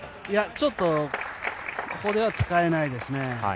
ちょっとここでは使えないですね。